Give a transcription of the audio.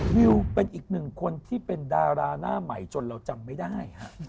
วิวเป็นอีกหนึ่งคนที่เป็นดาราหน้าใหม่จนเราจำไม่ได้